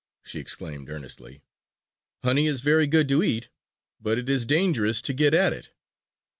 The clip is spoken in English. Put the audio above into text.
she exclaimed earnestly. "Honey is very good to eat; but it is dangerous to get at it.